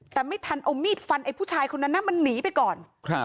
แต่ไม่ทันเอามีดฟันไอ้ผู้ชายคนนั้นนะมันหนีไปก่อน